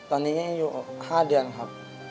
ตอนนี้ยังอยู่๕เดือนครับ